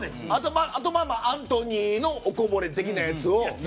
あと、アントニーのおこぼれ的なやつを？